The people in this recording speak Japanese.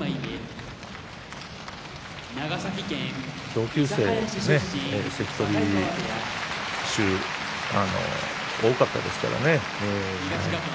同級生が関取衆、多かったですからね。